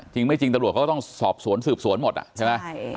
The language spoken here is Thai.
จริงไม่จริงตำรวจเขาก็ต้องสอบสวนสืบสวนหมดอ่ะใช่ไหม